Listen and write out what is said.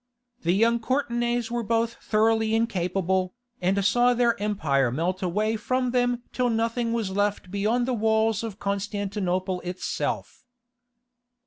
The young Courtenays were both thoroughly incapable, and saw their empire melt away from them till nothing was left beyond the walls of Constantinople itself.